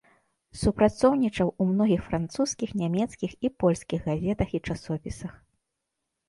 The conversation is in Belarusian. Супрацоўнічаў у многіх французскіх, нямецкіх і польскіх газетах і часопісах.